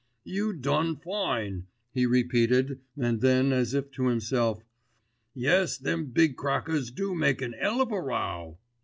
"You done fine," he repeated, and then as if to himself, "Yes, them big crackers do make an 'ell of a row."